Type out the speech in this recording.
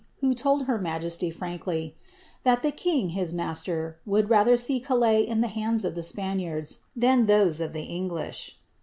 who told her majesty, frankly, "that ibe king, his master, would rather see Calais in the hands of the SpanianK than those of the English."